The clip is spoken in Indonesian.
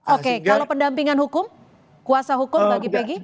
oke kalau pendampingan hukum kuasa hukum bagi pegi